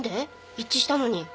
一致したのに。